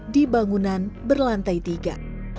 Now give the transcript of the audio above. di bangunan berlantai tiga